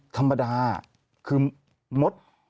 ธรรมดาคือมด